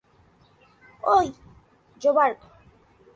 ওই, জোবার্গ!